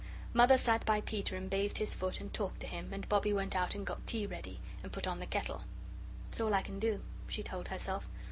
Mother sat by Peter and bathed his foot and talked to him, and Bobbie went out and got tea ready, and put on the kettle. "It's all I can do," she told herself.